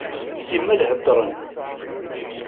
Simmal heddren.